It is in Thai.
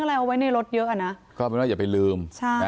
ทิ้งอะไรเอาไว้ในรถเยอะก็ไม่ว่าอย่าไปลืม